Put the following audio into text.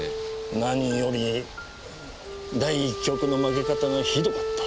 何より第一局の負け方が酷かった。